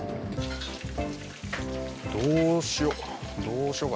どうしよう。